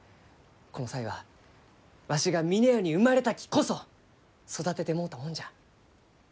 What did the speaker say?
この才はわしが峰屋に生まれたきこそ育ててもろうたもんじゃ。